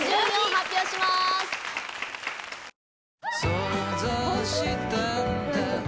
想像したんだ